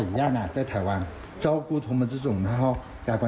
รู้สินะฮะกูพ่อดายโง่ใหญ่วะ